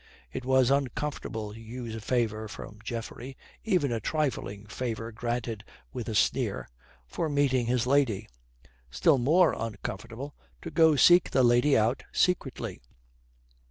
It was uncomfortable to use a favour from Geoffrey, even a trifling favour granted with a sneer, for meeting his lady; still more uncomfortable to go seek the lady out secretly.